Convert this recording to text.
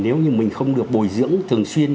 nếu như mình không được bồi dưỡng thường xuyên